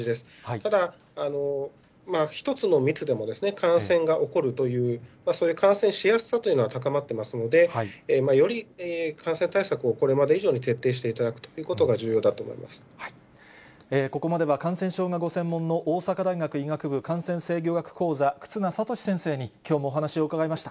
ただ、１つの密でも感染が起こるという、そういう感染しやすさというのは高まってますので、より感染対策をこれまで以上に徹底していただくということが重要ここまでは、感染症がご専門の大阪大学医学部感染制御学講座、忽那賢志先生に、きょうもお話を伺いました。